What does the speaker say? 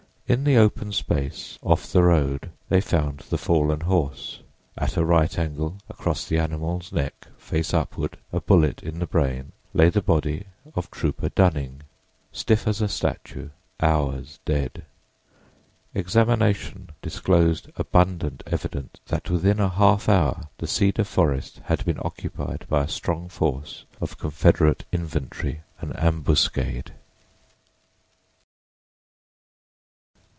In the little open space off the road they found the fallen horse. At a right angle across the animal's neck face upward, a bullet in the brain, lay the body of Trooper Dunning, stiff as a statue, hours dead. Examination disclosed abundant evidence that within a half hour the cedar forest had been occupied by a strong force of Confederate infantry—an ambuscade.